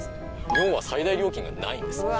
４は最大料金がないんです。